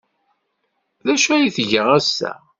D acu ay tga ass-a?